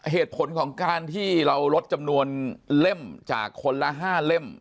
เหตุผลของการที่เราลดจำนวนเล่มจากคนละ๕เล่ม